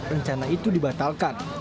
rencana itu dibatalkan